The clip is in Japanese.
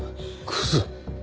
クズ？